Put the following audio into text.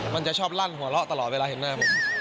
มันจะชอบลั่นหัวเราะตลอดเวลาเห็นหน้าผม